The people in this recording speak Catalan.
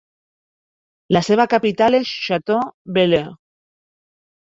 La seva capital és Chateaubelair.